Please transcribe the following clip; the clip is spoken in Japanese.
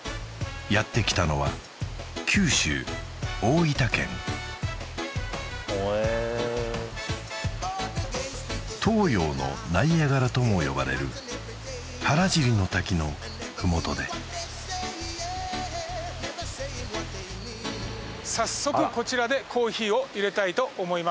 やって来たのは九州大分県東洋のナイアガラとも呼ばれる原尻の滝のふもとで早速こちらでコーヒーを淹れたいと思います